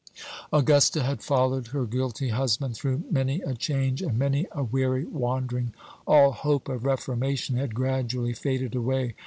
Augusta had followed her guilty husband through many a change and many a weary wandering. All hope of reformation had gradually faded away.